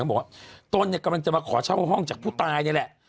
บอกว่าต้นเนี่ยกำลังจะมาขอเช่าห้องจากผู้ตายนี่แหละ